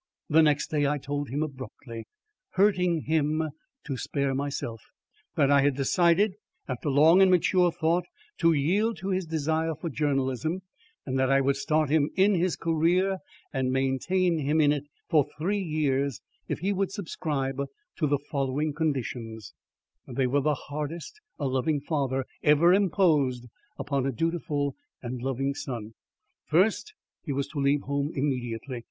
The next day I told him abruptly ... hurting him to spare myself ... that I had decided after long and mature thought to yield to his desire for journalism, and that I would start him in his career and maintain him in it for three years if he would subscribe to the following conditions: They were the hardest a loving father ever imposed upon a dutiful and loving son. First: he was to leave home immediately